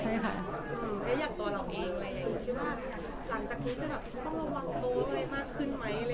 จะต้องระวังตัวให้มากขึ้นมั้ย